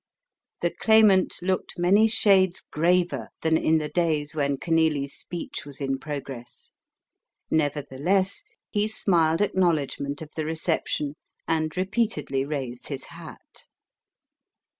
The Claimant looked many shades graver than in the days when Kenealy's speech was in progress. Nevertheless, he smiled acknowledgment of the reception, and repeatedly raised his hat.